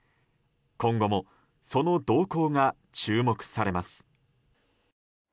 今後もその動向が注目されます。